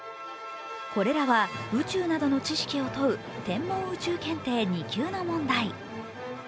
これらは、宇宙などの知識を問う天文宇宙検定２級の問題。